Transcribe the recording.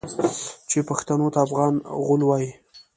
چې پښتنو ته افغان غول وايي.